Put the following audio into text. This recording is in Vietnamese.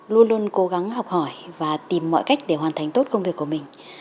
luôn luôn cố gắng học hỏi và tìm mọi cách để hoàn thành tốt công việc của mình